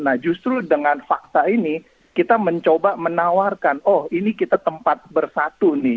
nah justru dengan fakta ini kita mencoba menawarkan oh ini kita tempat bersatu nih